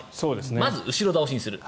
まず後ろ倒しにする。